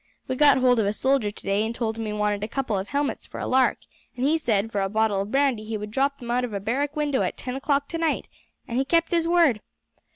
We got hold of a soldier today and told him we wanted a couple of helmets for a lark, and he said, for a bottle of brandy he would drop them out of a barrack window at ten o'clock tonight; and he kept his word.